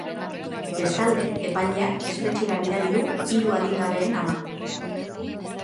Bestalde, epaileak espetxera bidali du hiru adingabeen ama.